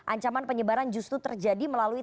ancaman penyebaran justru terjadi melalui